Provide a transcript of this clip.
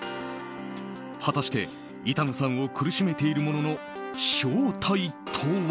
果たして、板野さんを苦しめているものの正体とは。